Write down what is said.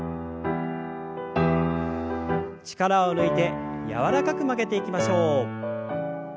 力を抜いて柔らかく曲げていきましょう。